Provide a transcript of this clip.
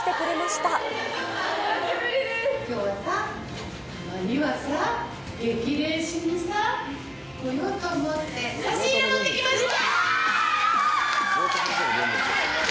たまにはさ、激励しにさ、来ようと思って、差し入れ持ってきました！